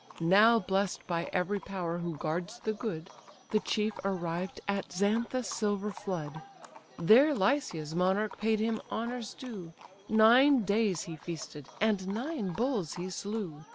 Now bless'd by every power who guards the good, The chief arrived at Xanthus' silver flood: There Lycia's monarch paid him honours due, Nine days he feasted, and nine bulls he slew.